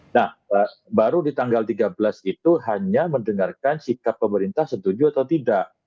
nah baru di tanggal tiga belas itu hanya mendengarkan sikap pemerintah setuju atau tidak